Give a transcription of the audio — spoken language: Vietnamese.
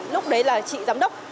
lúc đấy là chị giám đốc